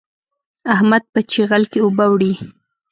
احمد په چيغل کې اوبه وړي.